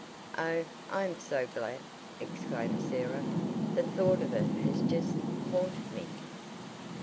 "Oh, I am so glad!" exclaimed Sarah. "The thought of it has just haunted me!"